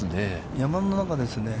山の中ですね。